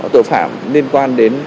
tội phạm liên quan đến